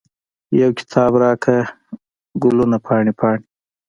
یو کتاب راکړه، ګلونه پاڼې، پاڼې